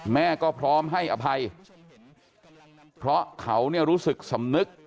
แม่ก็พร้อมให้อภัยเพราะเขาเนี่ยรู้สึกสำนึก